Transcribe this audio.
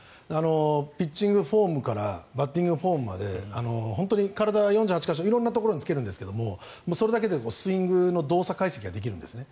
ピッチングフォームからバッティングフォームまで体、４８か所色んなところにつけるんですけどそれだけでスイングの動作解析ができるんです。